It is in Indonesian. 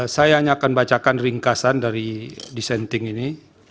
saya hanya akan bacakan ringkasan dari dissenting ini